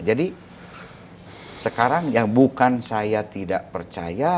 jadi sekarang yang bukan saya tidak percaya